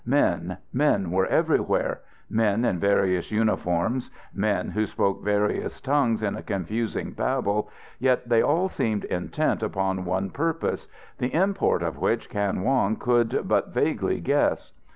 Men men were everywhere; men in various uniforms, men who spoke various tongues in a confusing babel, yet they all seemed intent upon one purpose, the import of which Kan Wong could but vaguely guess.